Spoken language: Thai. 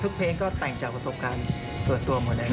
เพลงก็แต่งจากประสบการณ์ส่วนตัวหมดเอง